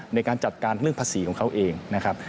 ในการจัดการเรื่องภาษีของเขาเองนะครับ